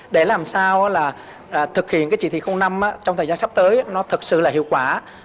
để làm sao là thực hiện cái chỉ thị năm trong thời gian sắp tới nó thật sự là hiệu quả